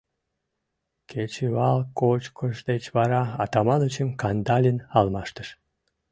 Кечывал кочкыш деч вара Атаманычым Кандалин алмаштыш.